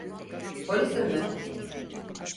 Polisim ben.